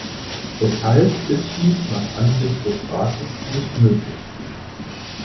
Weshalb ist dies nach Ansicht des Rates nicht möglich?